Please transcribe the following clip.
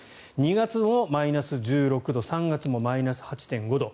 ２月もマイナス１６度３月もマイナス８．５度。